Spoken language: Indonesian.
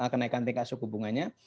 kenaikan tingkat suku bunganya